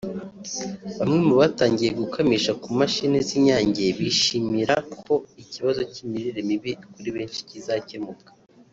Bamwe mu batangiye gukamisha ku mashini z’Inyange bishimira ko ikibazo cy’imirire mibi kuri benshi kizakemuka